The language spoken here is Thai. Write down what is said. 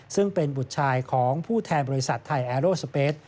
ซึ่งเป็นบุตรชายของผู้แทนบริษัทไทยแอร์โรสเปส